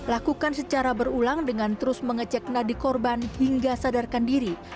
lakukan secara berulang dengan terus mengecek nadik korban hingga sadarkan diri